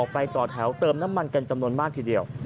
ไปต่อแถวเติมน้ำมันกันจำนวนมากทีเดียว